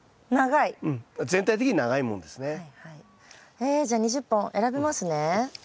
えじゃあ２０本選びますね。